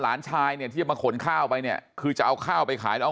หลานชายเนี่ยที่จะมาขนข้าวไปเนี่ยคือจะเอาข้าวไปขายแล้ว